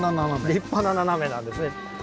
立派なナナメなんですね。